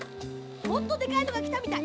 もっとでかいのがきたみたい。